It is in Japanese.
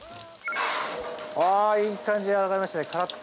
あいい感じに揚がりましたねカラッと。